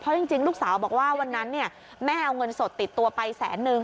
จริงลูกสาวบอกว่าวันนั้นแม่เอาเงินสดติดตัวไปแสนนึง